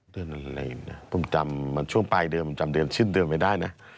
เดือนอะไรนะผมจำมันช่วงปลายเดือนจำเดือนสิ้นเดือนไม่ได้นะ